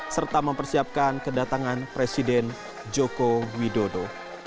serta mempersiapkan kedatangan presiden joko widodo